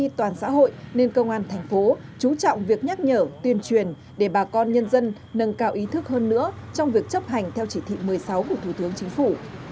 vì toàn xã hội nên công an thành phố chú trọng việc nhắc nhở tuyên truyền để bà con nhân dân nâng cao ý thức hơn nữa trong việc chấp hành theo chỉ thị một mươi sáu của thủ tướng chính phủ